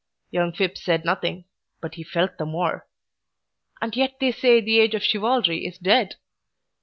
Young Phipps said nothing, but he felt the more. And yet they say the age of chivalry is dead!